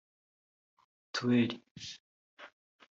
mituweli